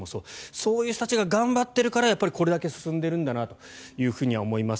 そういう人たちが頑張っているからやっぱりこれだけ進んでいるんだなと思います。